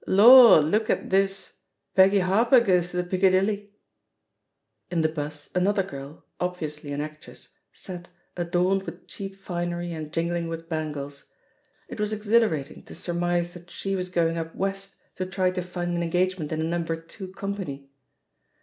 'Xor, look at this, Peggy Harper goes to the Picca dilly I'* In the bus another girl, obviously an actress, sat, adorned with cheap finery and jin gling with bangles; it was exhilarating to sur mise that she was going up West to try to find an engagement in a No. 2 company.